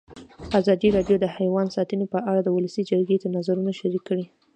ازادي راډیو د حیوان ساتنه په اړه د ولسي جرګې نظرونه شریک کړي.